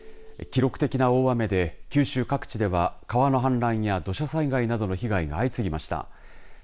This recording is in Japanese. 記録的な大雨で九州各地では川の氾濫や土砂災害などの被害が相次ぎました。